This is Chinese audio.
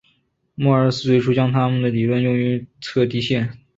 莫尔斯最初将他的理论用于测地线。